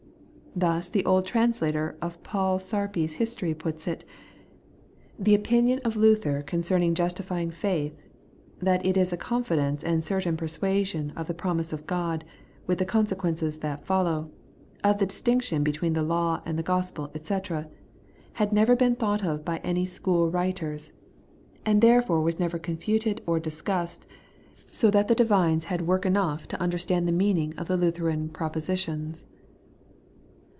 Thus the old translator of Paul Sarpi's History puts it :' The opinion of Luther concerning justifying faith, that it is a confidence and certain persuasion of the promise of God, with the con sequences that follow, of the distinction between the law and the gospel, etc., had never been thought of by any school writers, and therefore never con 153 The Everlasting Bighteouanas, fated or discussed, so that the diyines had work enough to understand the meaning of the Lutheran propositions.'